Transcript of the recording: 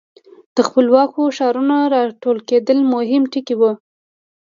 د خپلواکو ښارونو را ټوکېدل مهم ټکي وو.